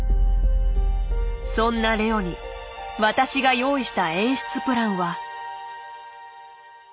そんなＬｅｏに私が用意した演出プランは。